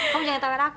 kamu jangan tawar aku